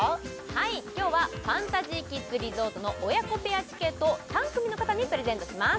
はい今日はファンタジーキッズリゾートの親子ペアチケットを３組の方にプレゼントします